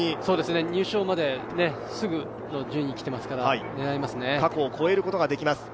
入賞まですぐの順位に来ていますから狙えますね。